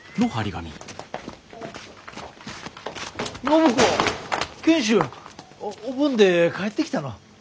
暢子賢秀！お盆で帰ってきたの？